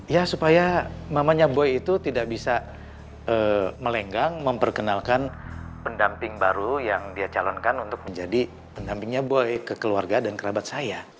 ya supaya mamanya boy itu tidak bisa melenggang memperkenalkan pendamping baru yang dia calonkan untuk menjadi pendampingnya boy ke keluarga dan kerabat saya